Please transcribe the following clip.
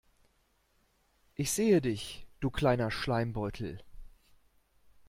Ich sehe dich, du kleiner Schleimbeutel.